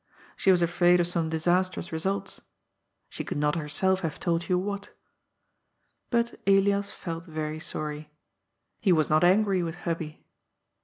She was afraid of some disastrous re sults. She could not herself have told you what. But Elias felt very sorry. He was not angry with Hubby.